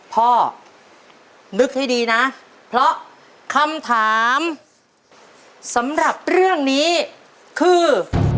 พ่อนึกให้ดีนะเพราะคำถามสำหรับเรื่องนี้คือ